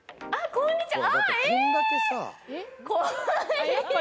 こんにちは！